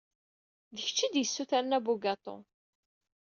D kečč ay d-yessutren abugaṭu.